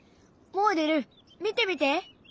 もおでる見てみて。